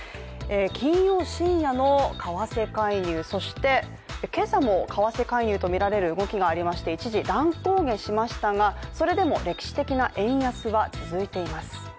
金曜深夜の為替介入、そして、今朝も為替介入とみられる動きがありまして、一時、乱高下しましたが、それでも歴史的な円安は続いています。